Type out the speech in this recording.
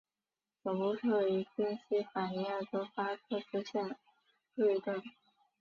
总部设于宾西法尼亚州巴克斯县纽顿。